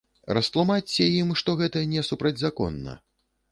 Растлумачыце ім, што гэта не супрацьзаконна.